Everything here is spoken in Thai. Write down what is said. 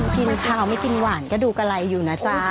มะพร้าวไม่กินหวานก็ดูกะไรอยู่นะจ๊ะ